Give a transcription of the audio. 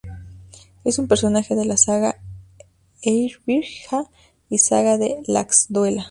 Es un personaje de la "saga Eyrbyggja", y "Saga de Laxdœla".